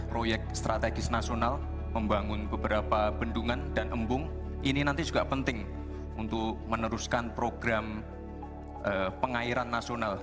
proyek strategis nasional membangun beberapa bendungan dan embung ini nanti juga penting untuk meneruskan program pengairan nasional